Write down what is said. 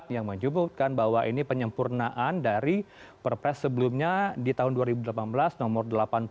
yang menyebutkan bahwa ini penyempurnaan dari perpres sebelumnya di tahun dua ribu delapan belas nomor delapan puluh